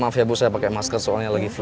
maaf ya bu saya pakai masker soalnya lagi flu